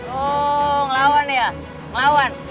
oh ngelawan ya